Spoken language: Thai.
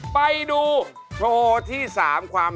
สวัสดีครับ